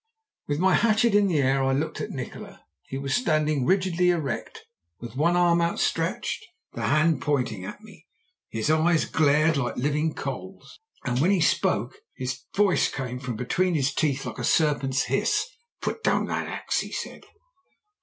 "With my hatchet in the air I looked at Nikola. He was standing rigidly erect, with one arm out stretched, the hand pointing at me. His eyes glared like living coals, and when he spoke his voice came from between his teeth like a serpent's hiss. "'Put down that axe!' he said.